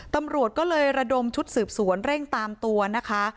ตำรวจก็เลยระดมชุดสืบสวนเร่งตามตัวนะคะ